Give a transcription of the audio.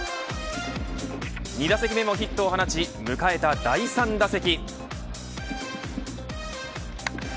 ２打席目もヒットを放ち迎えた第３打席。